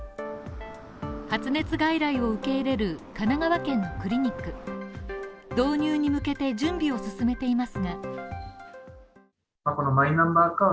発熱外来を受け入れる神奈川県クリニック導入に向けて準備を進めています。